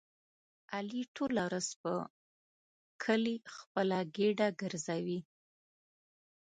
علي ټوله ورځ په کلي خپله ګېډه ګرځوي.